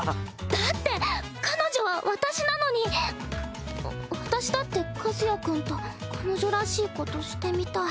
だって彼女は私なのに私だって和也君と彼女らしいことしてみたい。